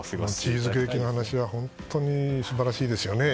チーズケーキの話は本当に素晴らしいですよね。